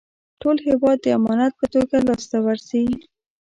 ټول هېواد د امانت په توګه لاسته ورځي.